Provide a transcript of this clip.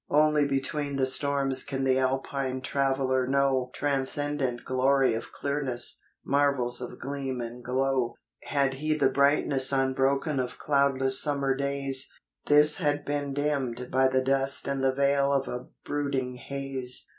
Only between the storms can the Alpine traveller know Transcendent glory of clearness, marvels of gleam and glow; Had he the brightness unbroken of cloudless summer days, This had been dimmed by the dust and the veil of a brooding haze.